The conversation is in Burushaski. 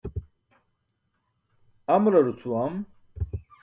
Amular ucʰuwam.